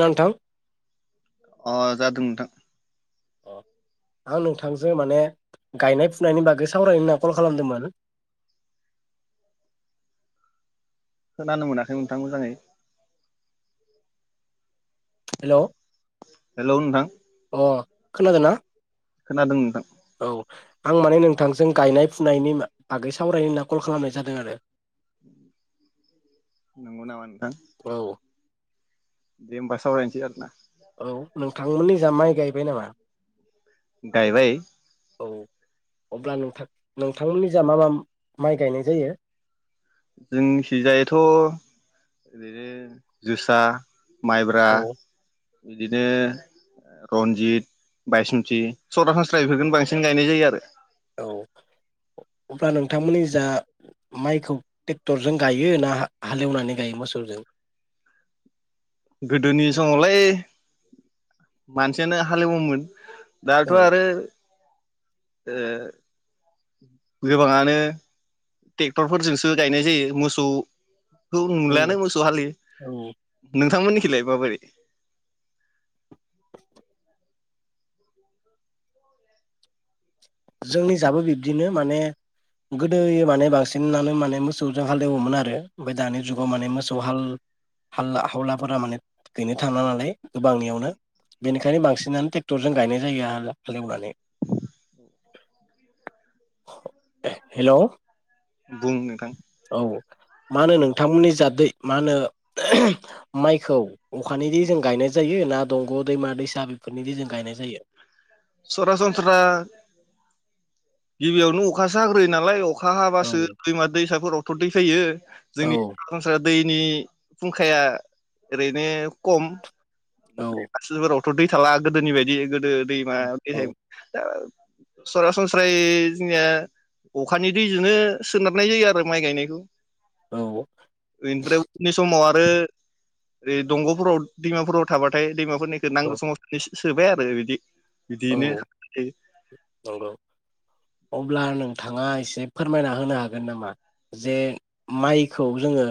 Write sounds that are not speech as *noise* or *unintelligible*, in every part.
नोंथां। अ जादों नोंथां। अ आं नोंथांजों माने गायनाय फुनायनि बागै सावरायनो होनाव कल खालामदोंमोन। खोनानो मोनाखै नोंथां मोजाङै हेल'? हेलौ नोंथां? खोनादोना? खोनादों नोंथां। औ आं माने नोंथांजों गायनाय फुनायनि बागै सावरायनो होनना कल खालामनाय जादों आरो। नोंगौ नामा नोंथां? औ दे ओमबा सावरायनोसै आरो ना? औ नोंथांमोननि माइ गायबाय नामा? गायबाय औ अब्ला नोंथां नोंथांमोननि जा मा मा माइ गायनाय जायो? जोंनिखिजायाथ' ओरैनो जोसा माइब्रा, औ बिदिनो रन्जित, बायसमुथि सरासनस्रा इफोरखोनो बांसिन गायनाय जायो आरो। औ अब्ला नोंथांमोननि जा माइखौ टेक्टरजों गायो ना हालेवनानै गायो मोसौजों? गोदोनि समावलाय मानसियानो हालेवोमोन। दाथ' औ आरो ओ गोबाङानो टेक्टरफोरजोंसो गायनाय जायो मोसौ खौ औ नुलानो मोसौ हालि औ नोंथांमोननि लाय माबोरै *inaudible* जोंनि जाबो बिब्दिनो माने गोदोयो माने बांसिनानो माने मोसौजों हालेवोमोन आरो ओमफाय दानि जुगाव माने मोसौ हाल हाल हावलाफोरा माने गैनो थांला नालाय गोबांनियावनो बेनिखायनो बांसिनानो टे क्टरजों गायनाय जायो हाले हालेवनानै हेल' औ। बुं नोंथां मा होनो नोंथांमोननि जा दै मा होनो माइखौ अखानि दै जों गायनाय जायो ना दंग' दैमा दैसा बेफोरनि दैजों गायनाय जायो? सरासनस्रा गिबियावनो अखासो हाग्रोयो नालाय अख खा औ हाबासो दैमा दैसाफोरावथ' दै फैयो औ जोंनि सरासनस्रा दैनि फुंखाया ओरैनो कम औ *unintelligible* थ' दै थाला गोदोनि बायदि गोदो दैमा औ *unintelligible* सरासनस्रायै जोंनिया अखानि दैजोंनो सोनारनाय जायो आरो माइ गायनायखौ। ओमफ्राय उननि स'माव आ बो ओरै दंग'फोराव दैमा फोराव थाबाथाय दैमा फोरनिखो नांगौ औ समाव सोबाय आरो बिदि औ बिदिनो औ नो नंगौ अब्ला नोंथाङा एसे फोरमायना होनो हागोन नामा जे माइखौ जोङो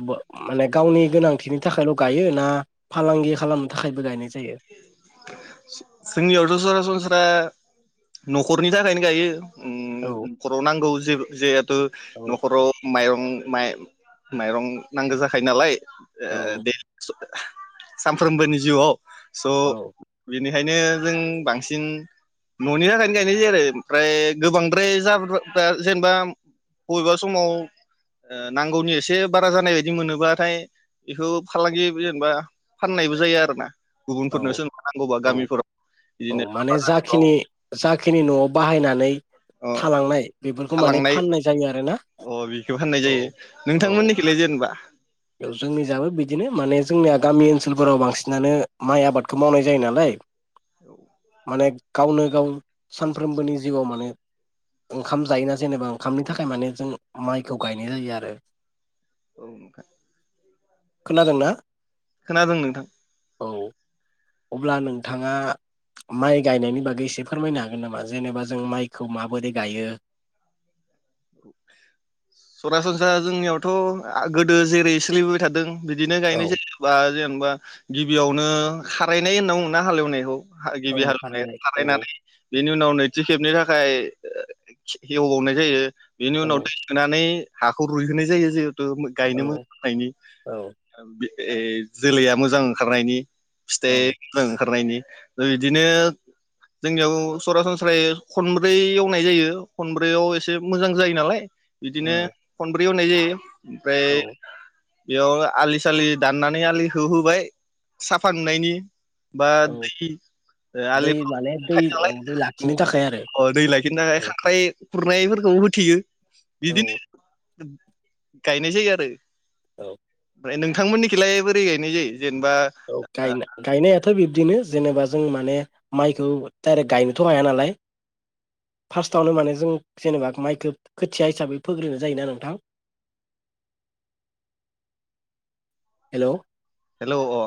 एबा माने गावनि गोनांथिनि थाखायल' गाइयो ना फालांगि खालामनो थाखायबो गायनाय जायो? जोंनि आवथ' सरा सनस्रा नखरनि थाखायनो गाइयो। उम औ नखर नांगौ जेबो जेब बो औ नखराव माइरं माइ माइरं नांगौ जाखायो नालाय *unintelligible* सामफ्रोमबोनि जिउआव स' औ बिनि ओंखायनो जों बांसिन न'नि थाखायनो गायनाय जायो आरो ओमफ्राय गोबांद्राय ज्रा जेनेबा बबेबा समाव ओ नांगौनि एसे बारा जानाय बायदि मोनोबाथाय बेखौ फालांगि जेनेबा फाननायबो जायो आरो ना। औ औ औ बिदिनो माने बाजारफोराव जाखिनि जाखिनि न'आव बाहायनानै ओ थालांनाय बेफोरखौ माने थालांनाय फाननाय जायो आरो ना। अ बेखौ होननाय जायो नोंथांमोननिखैलाय जेनेबा? बेव जोंनि जाबो बिदिनो माने जोंनिया गामि ओनसोलफोराव बांसिनानो माइ आबादखौ मावनाय जायो नालाय औ माने गावनो गाव सानफ्रोमबोनि जिउआव माने ओंखाम जायोना जेनेबा ओंखामनि थाखाय माने जों माइखौ गायनाय जायो आरो। औ। खोनादोंना? खोनादों नोंथां। औ अब्ला नोंथाङा माइ गायनायनि बागै एसे फोरमायनो हागोन नामा जेनेबा जों माइखौ माबोरै गायो? सरासनस्रा जोंनियावथ' गोदो जेरै सोलिबोबाय थादों बिदिनो औ गायनाय जायोबा जेनेबा जेनबा गिबियावनो खारायनाय होनना बुङा हालेवनायखौ। हा औ गिबि हालौनाय फाननानै औ खारायनानै बे बेनि उनाव नैथि खेबनि थाखाय एवबावनाय जायो। बेनि औ उनाव दै सोनानै हाखौ रुइहोनाय जायो जे *unintelligible* गायनो औ मोजां जानायनि औ बे ए जोलैया मोजां ओंखारनायनि औ फिथाइदों ओंखारनायनि ओ‌ इदिनो जोंनियाव सरासनस्रायै खनब्रै एवनाय जायो खनब्रैयाव एसे मोजां जायो नालाय। बिदिनो उम खनब्रै एवनाय जायो। ओमफ्राय औ बेयाव आलि सालि दाननानै आलि होहोबाय साफा नुनायनि। बा औ दै ओ दै आलिफ्राव माने दै थायो औ नालाय दै लाखिनो थाखाय आरो दै लायखिनो थाखाय औ खांख्राइ खुरनायफोरखौ थेयो। औ बिदिनो गायनाय‌‌ जायो‌ आरो। औ। नोंथांमोननिखिलाय बोरै गायनाय जायो? जेनेबा औ गायना गायनायाथ‌' बि बिदिनो जेनेबा जों माने माइखौ डाइरेक गायनोथ' हाया नालाय फार्स्टआवनो माने जों जेनेबा माइखो खोथिया हिसाबै फोग्रोननाय जायोना नोंथां। हेल' हेलौ‌‌ अ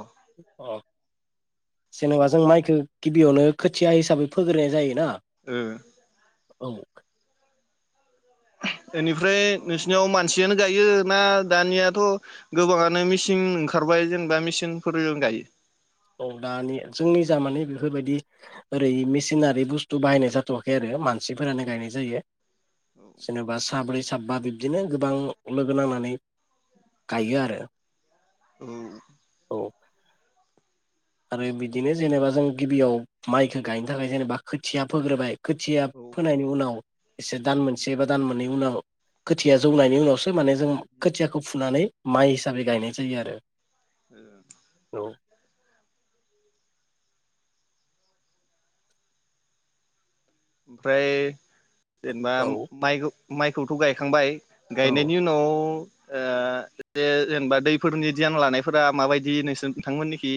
जेनेबा जों माइखो‌‌ गिबियावनो खोथिया हिसाबै फोग्रोनाय जायो ना। ओ। औ। इनिफ्राय नोंसिनियाव मानसियानो गायो ना दानियाथ' गोबाङानो मेचिन ओंखारबाय जेनेबा मेचिनफोरजों गायो? औ दानि जोंनि जा माने बेफोरबायदि ओरै मेसिनारि बुस्थु बाहायनाय जाथ'वाखै आरो मानसिफोरानो गायनाय जायो। औ जेनबा साब्रै सा साबबा बिब्दिनो गोबां लोगो नांनानै गायो आरो उम औ आरो बिदिनो जेनेबा जों गिबियाव माइखो गायनो थाखाय जेनेबा खोथिया फोग्रोबाय खोथिया ओ फोनायनि उनाव एसे दान मोनसे बा दान मोननै उनाव खोथिया जौनायनि उनावसो सो माने जों खोथियाखौ फुनानै माइ हिसाबै गायनाय जायो आरो ओं औ ओमफ्राय जेनेबा औ माइखौ माइखौथ गायखांबाय औ गायनायनि उनाव आ दे जेनेबा दैफोरनि धियान लानायफोरा माबायदि नोंसोर नोंथांमोननिखि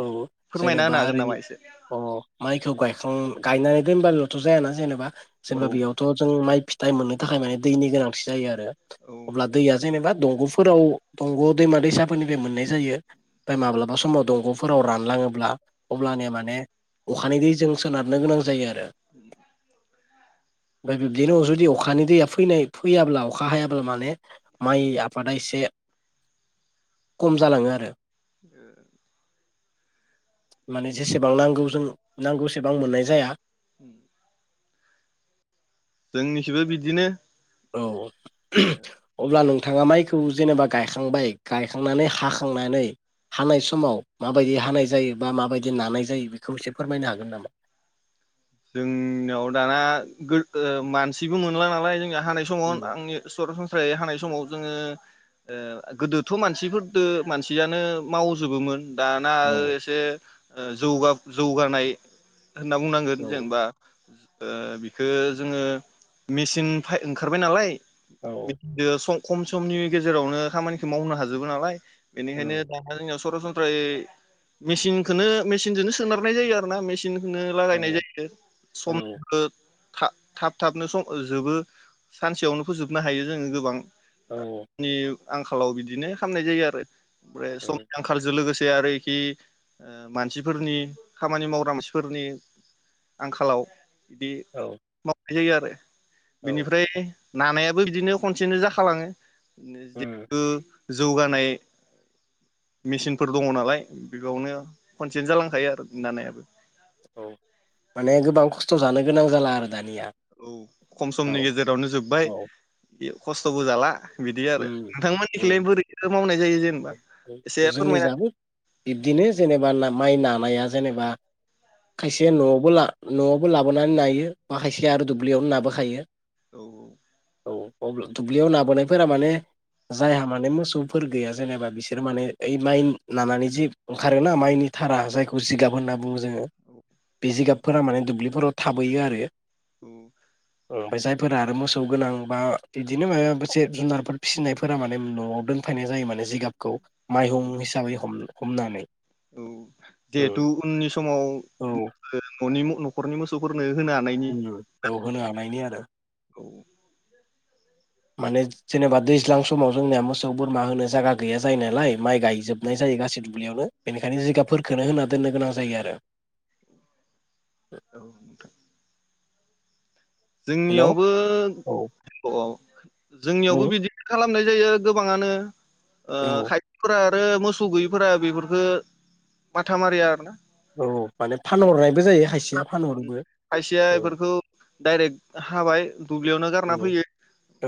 औ फोरमायना जेनेबा होनो हागोन ओरै नामा एसे अ माइखौ गायखां गायनानय दोनबानोथ' जाया ना जेनोबा औ जेनबा बेयावथ' जों माइ फिथ टाइम मोननो थाखाय माने दैनि गोनांथि जायो आरो औ अब्ला दैैया जेनेबा दंग'फोराव दंग' दैमा दैसाफोरनि बे मोननाय जायो ओमफाय माब्लाबा समाव दंग' फोराव रानलाङोब्ला अब्लानिया माने अखानि दैजों सोनारनो गोनां जायो आरो ओमफ्राय बिब्दिनो जुदि अखानि दैया फैनाय फैयाब्ला अखा हायाब्ला माने माइ आफादा एसे खम जालाङो आरो ओ माने जेसेबां नांगौ जों नांगौसेबां मोननाय जाया उम जोंनिखिबो बिदिनो औ अब्ला नों थाङा माइखौ जेनेबा गायखांबाय गायखांनानै हाखांनानै हानाय समाव माबायदि हानाय जायो बा माबायदि नानाय जायो बेखौ एसे फोरमायनो हागोन नामा? जोंनाव दाना गो ओ मानसिबो मोनला नालाय जोंना हानाय समाव आंनि सरासनस्रायै हानाय समाव जोङो ओ गोदोथ' मानसिफोरदो मानसियानो मावजोबोमोन दाना ओ औ एसे ओ जौगा-जौगानाय होनना बुंनांगो औ जेनबा ओ बिखो जोङो मेचिन फाय ओंखारबाय नालाय औ बिदिनो सं खम समनि गेजेरावनो खामानिखौ मावनो हाजोबो नालाय बेनिखायनो उम दा जोंनियाव सरासन ओमफ्राय मेसिनखौनो मेसिनजोंनो सोनारनाय जायो आरो ना मे सिनखोनो औ लागायनाय जायो। औ समबो थाब थाब थाबनो सम जोबो सानसेयावनो फोजोबनो हायो जोङो गोबां। आ उम नि आंखालाव बिदिनो खालामनाय जायो आरो। ओमफ्राय समानि आंखालजों लोगोसे आरोखि ओ मानसिफोरनि खामानि मावग्रा मानसिफोरनि आंखालाव बिदि औ माव जायो आरो औ बिनिफ्राय नानायाबो बिदिनो खनसेनो जाखालाङो। उम जिहेतु जौगानाय मेसिनफोर दङ नालाय बेयावनो खनसे जालांखायो आरो नांनायाव। औ माने गोबां खस्थ' जानो गोनां जाला आरो दानिया। औ खम औ समनि गेजेरावनो जोब्बाय औ बे खस्थ'बो जाला बिदि आरो उम औ नोंथांमोननिखैलाय बोरैथो' मावनाय जायो जेनेबा एसे जोंनि फोरमायना जायबो बिब्दिनो जेनेबा ना-माइ नानाया जेनेबा खायसे न'आवबोला न'आवबो लाबोनानै नायो बा खायसे आरो दुब्लियावनो नाबोखायो। औ औ औ अब्ला दुब्लियाव नाबोनायफोरा माने जायहा माने मोसौफोर गैया जेनेबा बिसोर माने ओइ माइ नानानै जि ओंखारोना माइनि थारा जायखौ जिगाब होनना जोङो औ बे औ जिगाबफोरा माने दुब्लिफोराव थाबोयो आरो ओम ओमफ्राय जायफोरा आरो मोसौ गोनां बा बिदिनो माबा मोनसे जुनारफोर फिसिनायफोरा माने न'आव दोनफैनाय जायो माने जिगाबखौ माइहुं औ हिसाबै हमनो हमनानै औ जिहेथु उननि समाव औ न'नि न'खरनि मोसौफोरनो होनो हानायनि ओम औ होनो हानायनि आरो *inaudible* औ। माने जेनेबा दैज्लां समाव जोंनिया मोसौ बोरमा होनो जायगा गैया जायो नालाय माइ गायजोबनाय जायो गासै दुब्लियावनो बेनिखायनो जिगाबफोरखोनो होना दोननो गोनां जायो आरो। औ नोंथां। हेल' औ जोंनियावबो औ औ जोंनियावबो बुं बिदिनो खालाम नाय जायो गोबाङानो ओ औ खायफाफोरा आरो मोसौ गैयिफोरा बेफोरफोरखो माथा मारिया आरोना। औ माने फानहरनायबो जायो हायसेया फानहरोबो औ। डाइरेक हाबाय दुब्लियावनो औ गारना फैयो औ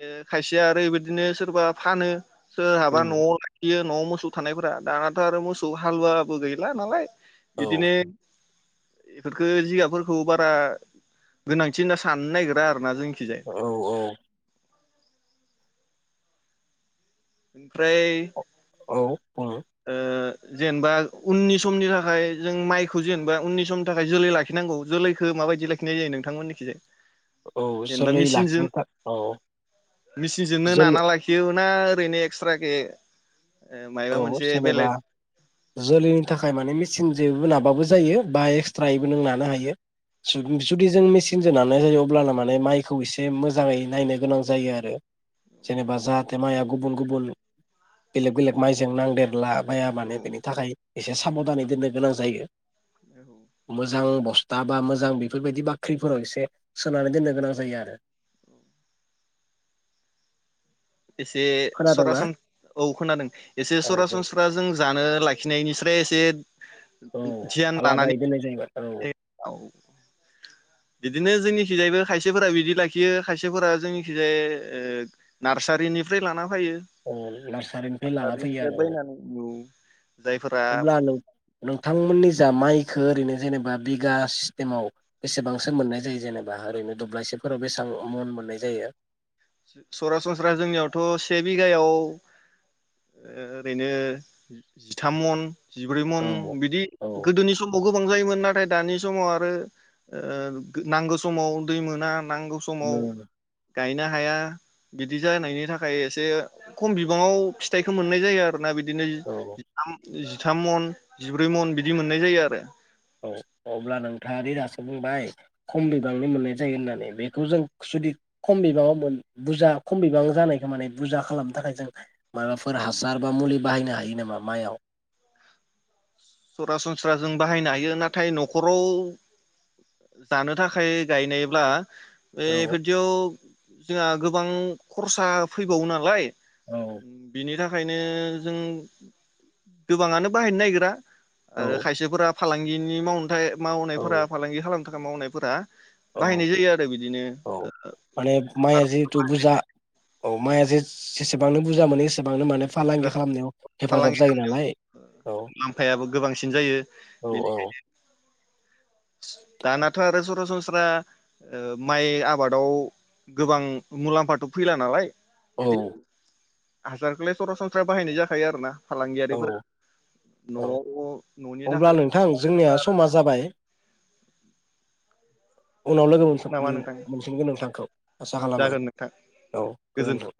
*unintelligible* खायसेया आरोयबायदिनो सोरबा फानो सोरहाबा न'आव लाखियो न'आव मोसौ थानायफोरा दानाथ' आरो मोसौ हालुवाबो गैला नालाय बिदिनो एफोरखौ जिगाबफोरखौ बारा गोनांथि होनना साननो नागिरा आरोना जों औ औ। ओमफ्राय औ। औ ओ जेनेबा उननि समनि थाखाय जों माइखौ जेनेबा उननि समनि थाखाय जोलै लाखिनांगौ जोलैखौ माबायदि लाखिनाय जायो नोंथांमोननिखैजाय? औ जेनेबा जोलै मिचिनजों लाखिनो थाखाय औ मिचिनजोंनो जोलै नाना लाखियो ना ओरैनो एक्सट्राखै? ए मायबा औ मोनसे जेनेबा जोलैनि थाखाय माने मेचिन जो *unintelligible* बा एक्सट्रायै नों नानो हायो जु-जुदि जों मेसिन जों नानो होयो अब्लाना माने मायखौ इसे मोजाङै नायनो गोनां जायो आरो जेनेबा जाहाथे माया गुबुन गुबुन बेलेग बेलेग माइजों नांदेरला माया औ माने बेनि थाखाय एसे साब नानै दोननो गोनां जायो। औ मोजां बस थां बा मोजां बेफोरबायदि बाख्रिफोराव एसे सोनानै दोननो गोनां जायो आरो। एसे खोनादोंना? सरासन औ खोनादों एसे औ बुं सरासनस्रा जों जानो लाखिनायनिस्राय एसे औ धियान लानानै आलादायै दोननाय जाहैबाय औ बिदिनो जोंनिखिजायबो खायसेफोरा बिदि लाखियो खायसेफोरा जोंनिखैजाय ओ नारसारिनिफ्राय लाना फैयो औ नार्सारिनिफ्राय लाना फैयो नार्सारिनिफ्राय आरो औ बायनानै औ जायफोरा अब्ला नों नोंथांमोननि जा माइ खो ओरैनो जेनेबा बिगा सिस्टेमाव बेसेबांसो मोननाय जायो जेनेबा ओरैनो दब्लायसेफोराव बेसेबां मन मोननाय जायो। सरासनस्रा जोंनियावथ' से बिघायाव ओरैनो जिथाम मन जिब्रै मन औ बिदि औ गोदोनि समाव गोबां जायोमोन। नाथाय दानि समाव आरो ओ नांगौ समाव दै मोना। नांगौ समाव उम गायना हाया बिदि जानायनि थाखाय एसे खम बिबाङाव फिथाइखौ मोननाय जायो आरो फोरना बिदिनो औ जिथाम जि थाम मन जिब्रै मन बिदि मोननाय जायो आरो। औ अब्ला नोंथांआ दि दासो बुंबाय खम बिबांनि मोननाय जायो होननानै बेखौ जों जुदि खम बिबाङाव बुरजा खम बिबां जानायखौ माने बुरजा खालामनो थाखाय जों माबाफोर हासार बा मुलि बाहायनो हायो नामा माइयाव? सरासनस्रा जों बाहायनो हायो नाथाय न'खराव जानो थाखाय गायनायब्ला बे औ फायदियाव जोंहा गोबां खरसा फैबावो नालाय औ। खायनो जों गोबाङानो बाहायनो नायगिरा। आरो खायसेफोरा फालांगिनि मावनोथाय औ मावनायफोरा फालांगि खालाम थाखा मावनायफोरा औ बाहायनाय जायो आरो बिदिनो औ माने माइआ जिहेथु बुरजा *unintelligible* औ माया जे-जेसेबांनो बुजा मोनो एसे बांनो माने फालांगि खालामनायाव फालांगि हेफाजाब जायो नालाय औ मुलाम्फायाबो गोबांसिन जायो औ बेनि औ। दानाथ' आरो सरासनस्रा ओ माइ आबादाव गोबां मुलाम्फाथ' फैला नालाय औ बिदिनो हाजारखौलाय सरासनस्रा बाहायनाय जाखायो आरो ना? औ औ औ न'नि थाखाय अब्ला नोंथां जोंनिया समा जाबाय। उनाव लोगो नामा नोंथां मोन-मोनसिनगोन नोंथांखौ आसा खालामो जागोन नोंथां औ गोजोन्थों।